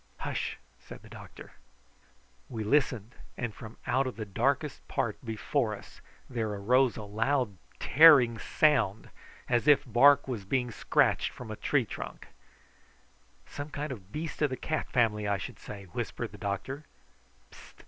"Hush!" said the doctor. We listened, and from out of the darkest part before us there arose a loud tearing noise as if bark was being scratched from a tree trunk. "Some kind of beast of the cat family, I should say," whispered the doctor.